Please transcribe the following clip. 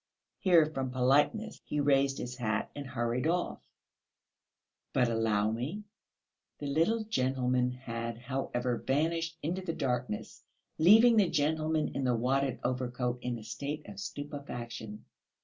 Here, from politeness, he raised his hat and hurried off. "But allow me...." The little gentleman had, however, vanished into the darkness, leaving the gentleman in the wadded overcoat in a state of stupefaction.